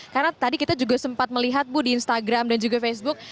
karena tadi kita juga sempat melihat bu di instagram dan juga facebook